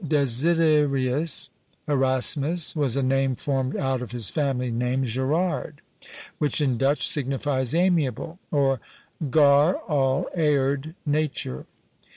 Desiderius Erasmus was a name formed out of his family name Gerard, which in Dutch signifies amiable; or GAR all, AERD nature.